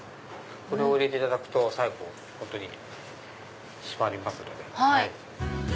これを入れていただくと最後本当に締まりますので。